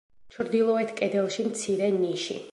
ჩრდილოეთ კედელში მცირე ნიში.